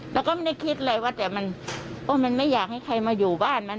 แล้วก็ไม่ได้คิดเลยว่าแต่มันไม่อยากให้ใครมาอยู่บ้านมัน